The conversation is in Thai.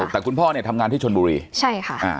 แต่คุณพ่อเนี่ยทำงานที่ชนบุรีใช่ค่ะอ่า